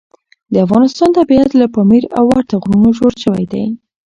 د افغانستان طبیعت له پامیر او ورته غرونو جوړ شوی دی.